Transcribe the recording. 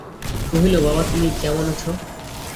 কহিল, বাবা, তুমি কেমন আছ?